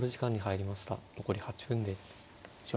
残り８分です。